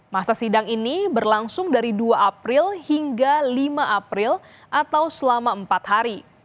masa sidang ini berlangsung dari dua april hingga lima april atau selama empat hari